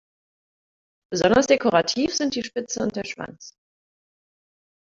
Besonders dekorativ sind die Spitze und der Schwanz.